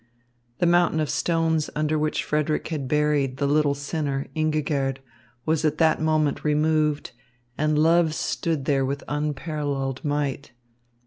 The mountain of stones under which Frederick had buried the little sinner, Ingigerd, was at that moment removed, and love stood there with unparalleled might.